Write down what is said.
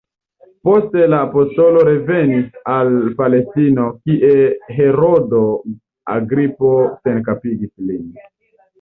Poste la apostolo revenis al Palestino, kie Herodo Agripo senkapigis lin.